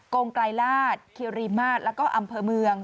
กรงไกรลาศคิวรีมาศแล้วก็อำเภอเมือง